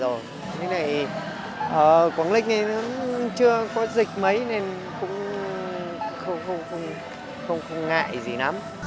thế này có lịch thì chưa có dịch mấy nên cũng không ngại gì lắm